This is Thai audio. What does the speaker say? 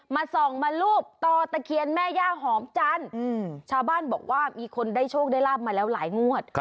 ส่องมารูปต่อตะเคียนแม่ย่าหอมจันทร์ชาวบ้านบอกว่ามีคนได้โชคได้ลาบมาแล้วหลายงวด